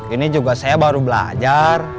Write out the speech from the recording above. ini juga saya baru belajar